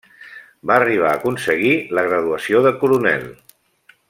Va arribar a aconseguir la graduació de coronel.